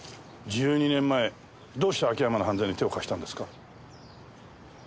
１２年前どうして秋山の犯罪に手を貸したんですか？